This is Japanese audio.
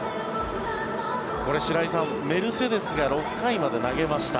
白井さん、メルセデスが６回まで投げました。